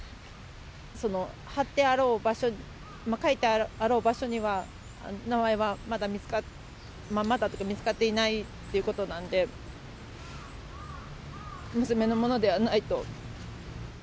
その貼ってあろう場所、書いてあろう場所には、名前はまだ見つかってないということなので、娘のものではないと。